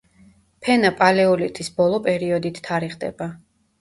ფენა პალეოლითის ბოლო პერიოდით თარიღდება.